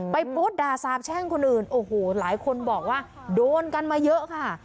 ไปโพสต์ด่าสาบแช่งคนอื่นโอ้โหหลายคนบอกว่าโดนกันมาเยอะค่ะ